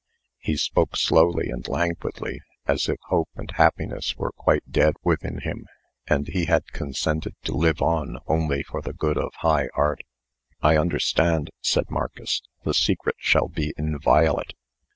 He spoke slowly and languidly, as if hope and happiness were quite dead within him, and he had consented to live on only for the good of high Art. "I understand," said Marcus. "The secret shall be inviolate."